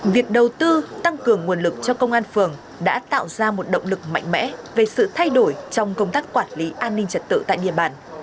việc đầu tư tăng cường nguồn lực cho công an phường đã tạo ra một động lực mạnh mẽ về sự thay đổi trong công tác quản lý an ninh trật tự tại địa bàn